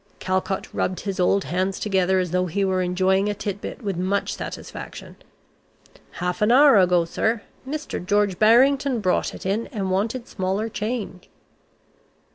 Calcott rubbed his old hands together as though he were enjoying a tit bit with much satisfaction. "Half an hour ago, sir, Mr. George Barrington brought it in, and wanted smaller change."